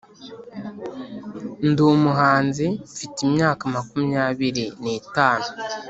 Ndi umuhanzi, mfite imyaka makumyabiriri n’itatu